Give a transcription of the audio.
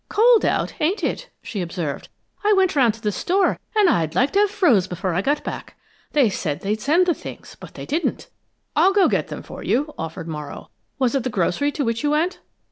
"Cold out, ain't it?" she observed. "I went round to the store, an' I like to've froze before I got back. They said they'd send the things, but they didn't." "I'll go get them for you," offered Morrow. "Was it the grocery to which you went?"